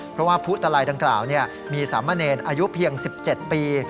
เพราะว่าพุตลัยดังกล่าวมีสามเณรอายุเพียง๑๗ปี